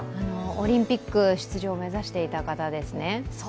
オリンピック出場目指していた方ですね？